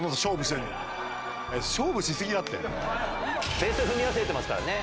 ベース踏み忘れてますからね。